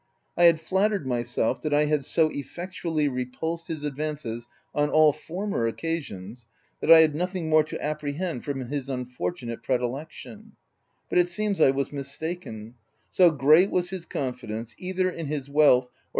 I had flattered myself that I had so effectually repulsed his advances on all former occasions, that I had nothing more to apprehend from his unfortunate pre dilection ; but it seems I was mistaken : so great was his confidence, either in his wealth or OP WJLDFELL HALL.